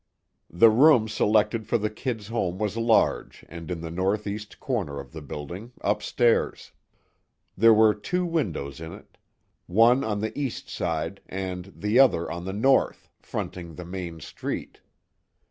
The room selected for the "Kid's" home was large, and in the northeast corner of the building, upstairs. There were two windows in it, one on the east side and the other on the north, fronting the main street.